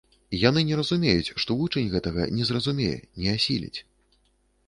Яны не разумеюць, што вучань гэтага не зразумее, не асіліць.